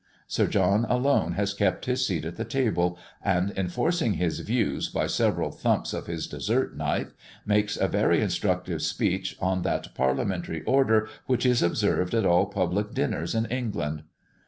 Sir John alone has kept this seat at the table; and, enforcing his views by several thumps of his dessert knife, makes a very instructive speech on that Parliamentary order which is observed at all public dinners in England.